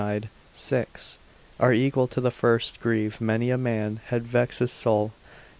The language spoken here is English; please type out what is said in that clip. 6,) are equal to the first, grieve many a man, and vex his soul.